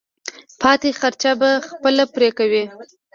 پاتې خرچه به خپله پرې کوې.